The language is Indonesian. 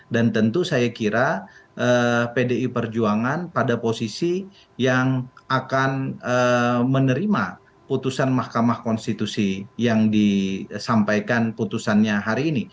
dan tentu saya kira pdi perjuangan pada posisi yang akan menerima putusan mahkamah konstitusi yang disampaikan putusannya hari ini